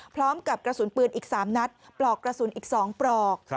พร้อมกับกระสุนปืนอีก๓นัดปลอกกระสุนอีก๒ปลอก